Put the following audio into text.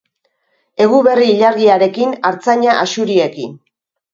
Eguberri ilargiarekin, artzaina axuriekin.